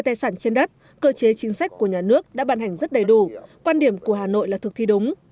tài sản trên đất cơ chế chính sách của nhà nước đã ban hành rất đầy đủ quan điểm của hà nội là thực thi đúng